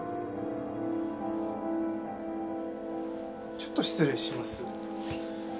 ちょっと失礼します。